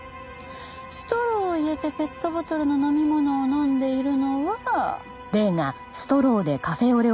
ストローを入れてペットボトルの飲み物を飲んでいるのは。